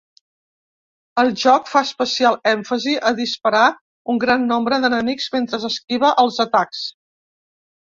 El joc fa especial èmfasi a disparar un gran nombre d’enemics mentre esquiva els atacs.